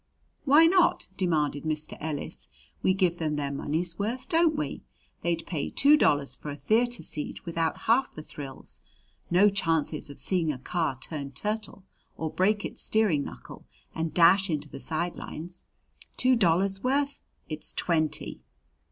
"Why not?" demanded Mr. Ellis. "We give them their money's worth, don't we? They'd pay two dollars for a theater seat without half the thrills no chances of seeing a car turn turtle or break its steering knuckle and dash into the side lines. Two dollars' worth? It's twenty!"